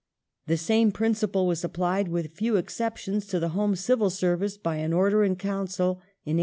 The same principle was applied, with few exceptions, to the Home Civil Service by an Order in Council in 1870.